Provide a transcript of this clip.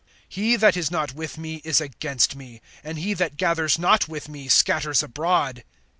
(30)He that is not with me is against me; and he that gathers not with me scatters abroad.